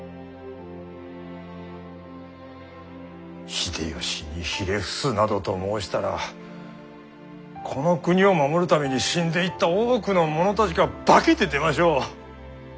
秀吉にひれ伏すなどと申したらこの国を守るために死んでいった多くの者たちが化けて出ましょう。